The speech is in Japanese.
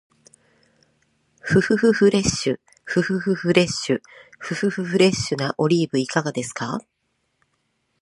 ふふふフレッシュ、ふふふフレッシュ、ふふふフレッシュなオリーブいかがですか？